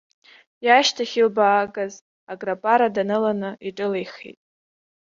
Иашҭахь илбаагаз аграпара даныланы иҿылеихеит.